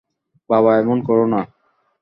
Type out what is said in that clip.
বাবা এমন করো না।